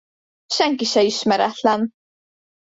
Senki se ismeretlen.